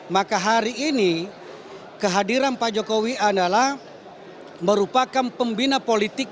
maka hari ini kehadiran pak jokowi adalah merupakan pembina politik